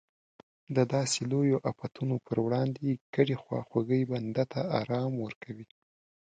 د داسې لویو افتونو پر وړاندې ګډې خواخوږۍ بنده ته ارام ورکوي.